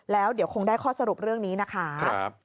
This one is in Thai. แล้วเดี๋ยวคงได้ข้อสรุปเรื่องนี้นะคะ